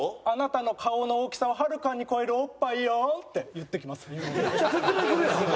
「あなたの顔の大きさをはるかに超えるおっぱいよ」って言ってきます耳元で。